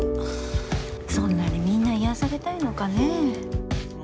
そんなにみんな癒やされたいのかねえ。